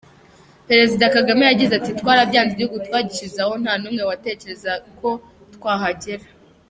Perezida Kagame yagize ati: "Twarabyanze, igihugu twagishyize aho nta n'umwe watekerezaga ko twahagera.